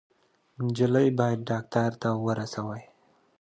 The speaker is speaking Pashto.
_نجلۍ بايد ډاکټر ته ورسوئ!